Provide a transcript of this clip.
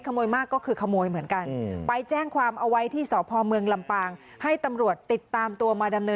แล้วจริงเล่ามีเยอะไหมพี่อ่าวนี่มีเป็นรังเลยแต่ของเขาแค่สามขวด